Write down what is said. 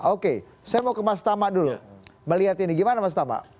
oke saya mau ke mas tama dulu melihat ini gimana mas tama